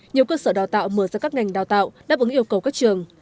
nhiều cơ sở đào tạo mở ra các ngành đào tạo đáp ứng yêu cầu các trường